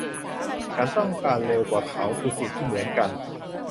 ฉันต้องการเร็วกว่าเค้าคือสิ่งที่เหมือนกัน